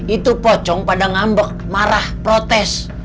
itu pocong pada ngambek marah protes